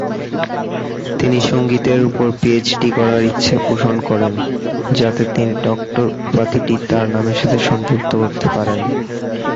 তিনি সংগীতের উপর পিএইচডি করার ইচ্ছা পোষণ করেন যাতে তিনি "ডক্টর" উপাধিটি তার নামের সাথে সংযুক্ত করতে পারেন।